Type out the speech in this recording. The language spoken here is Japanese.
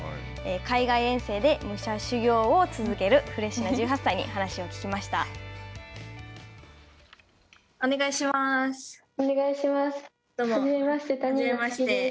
海外遠征で武者修行を続けるフレッシュな１８歳にお願いします。